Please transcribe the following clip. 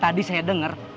tadi saya denger